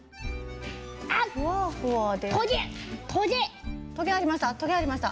トゲありました？